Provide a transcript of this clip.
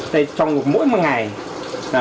trong mỗi một ngày